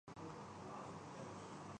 تب ایسا نہیں تھا۔